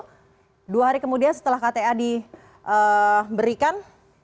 dua hari kemudian setelah kta diberikan